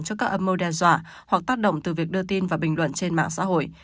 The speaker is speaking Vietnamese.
cho các âm mưu đe dọa hoặc tác động từ việc đưa tin và bình luận trên mạng xã hội